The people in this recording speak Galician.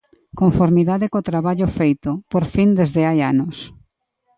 Conformidade co traballo feito, por fin desde hai anos.